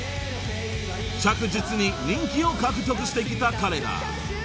［着実に人気を獲得してきた彼ら］